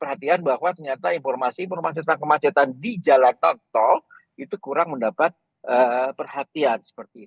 perhatian bahwa ternyata informasi informasi tentang kemacetan di jalan tol itu kurang mendapat perhatian